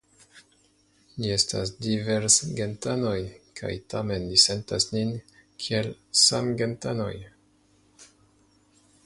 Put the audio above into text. Ni estas diversgentanoj, kaj tamen ni sentas nin kiel samgentanoj.